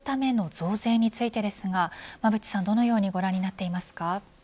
防衛費を拡充するための増税についてですが馬渕さん、どのようにご覧になっていますか。